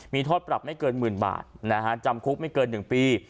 มีโทษปรับไม่เกินหมื่นบาทจำคุกไม่เกิน๑ปี